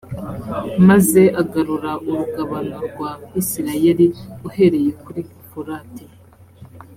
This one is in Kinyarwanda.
maze agarura urugabano rwa isirayeli uhereye kuri ufurate